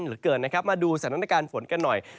หรือเกิดนะครับมาดูสรรค์นิกอาการฝนกันหน่อย